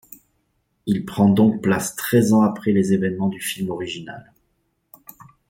Il prend donc place treize ans après les événements du film original.